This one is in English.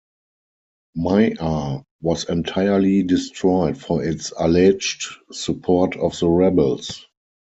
Mi'ar was entirely destroyed for its alleged support of the rebels.